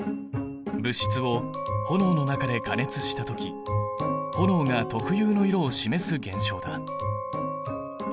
物質を炎の中で加熱した時炎が特有の色を示す現象だ。